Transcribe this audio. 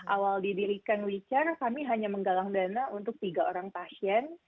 awal didirikan wechar kami hanya menggalang dana untuk tiga orang pasien